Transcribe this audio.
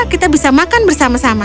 kita bisa makan bersama sama